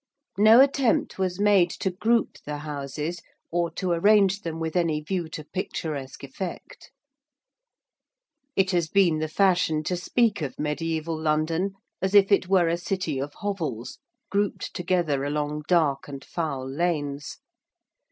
No attempt was made to group the houses or to arrange them with any view to picturesque effect. It has been the fashion to speak of mediæval London as if it were a city of hovels grouped together along dark and foul lanes.